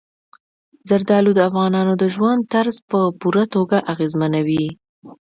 زردالو د افغانانو د ژوند طرز په پوره توګه اغېزمنوي.